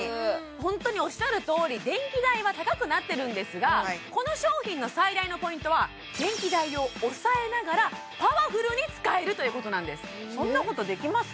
本当におっしゃるとおり電気代は高くなってるんですがこの商品の最大のポイントは電気代を抑えながらパワフルに使えるということなんですそんなことできます？